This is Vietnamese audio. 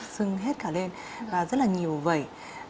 sưng hết cả lên và rất là nhiều vẩy